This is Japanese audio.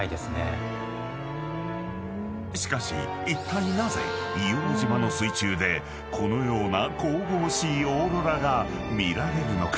［しかしいったいなぜ硫黄島の水中でこのような神々しいオーロラが見られるのか？］